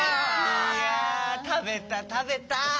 いやたべたたべた。